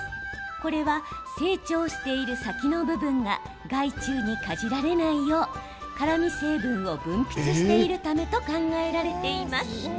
これは成長をしている先の部分が害虫にかじられないよう辛み成分を分泌しているためと考えられています。